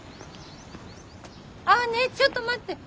あねえちょっと待って。